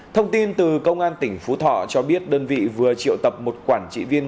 thông tin từ công an tỉnh phú thọ cho biết đơn vị vừa triệu tập một quản trị viên